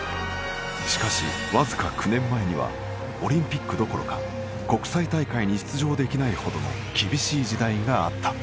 しかし、わずか９年前にはオリンピックどころか国際大会に出場できないほどの厳しい時代があった。